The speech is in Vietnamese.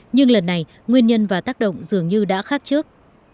nhưng lần này nguyên nhân và tác động dường như đã khác trước